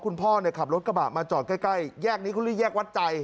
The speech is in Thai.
คุณพ่อเนี่ยขับรถกระบะมาจอดใกล้ใกล้แยกนี้คุณเลยแยกวัดใจ